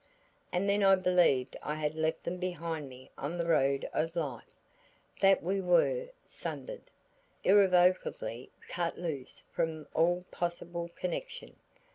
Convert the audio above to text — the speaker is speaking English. And then I believed I had left them behind me on the road of life; that we were sundered, irrevocably cut loose from all possible connection.